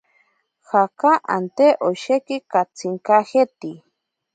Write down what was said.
Jaka ante osheki katsinkajeiti.